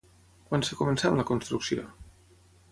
Quan es començà amb la construcció?